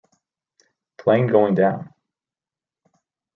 Plane going down.